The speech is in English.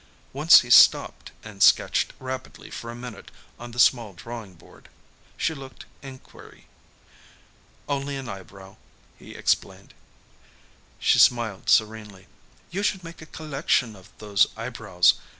Once he stopped and sketched rapidly for a minute on the small drawing board. She looked inquiry. "Only an eyebrow," he explained. She smiled serenely. "You should make a collection of those eyebrows.